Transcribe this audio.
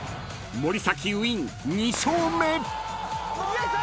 ［森崎ウィン２勝目］